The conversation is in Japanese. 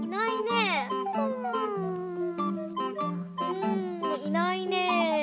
うんいないね。